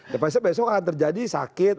ya pasti besok akan terjadi sakit